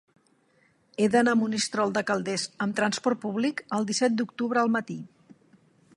He d'anar a Monistrol de Calders amb trasport públic el disset d'octubre al matí.